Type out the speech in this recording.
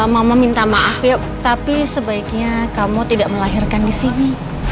mama minta maaf ya tapi sebaiknya kamu tidak melahirkan di sini